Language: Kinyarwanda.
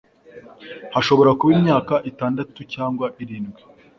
hashobora kuba imyaka itandatu cyangwa irindwi